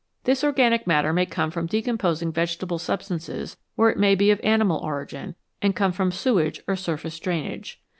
This organic matter may come from decomposing vegetable substances, or it may be of animal origin, and come from sewage or surface drainage.